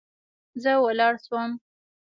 زه ولاړ سوم.